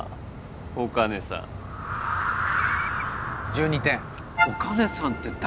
お金さん１２点お金さんって誰？